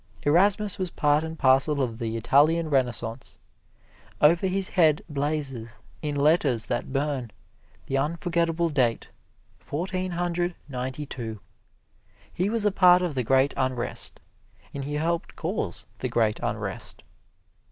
Erasmus was part and parcel of the Italian Renaissance. Over his head blazes, in letters that burn, the unforgetable date, Fourteen Hundred Ninety two. He was a part of the great unrest, and he helped cause the great unrest.